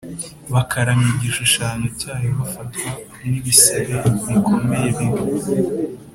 bakaramya igishushanyo cyayo bafatwa n’ibisebe bikomeye bibi.